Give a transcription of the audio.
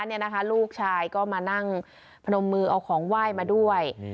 เนี่ยนะคะลูกชายก็มานั่งพนมมือเอาของไหว้มาด้วย